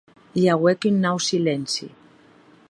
I auec un nau silenci.